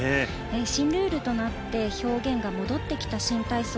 新ルールとなって表現が戻ってきた新体操